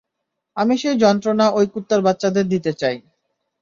আমি সেই যন্ত্রণা ওই কুত্তার বাচ্চাদের দিতে চাই।